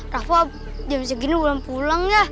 raff jam segini belum pulang ya